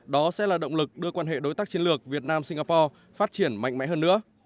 đó sẽ là động lực đưa quan hệ đối tác chiến lược việt nam singapore phát triển mạnh mẽ hơn nữa